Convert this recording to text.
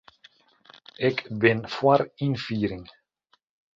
Ik bin foar ynfiering.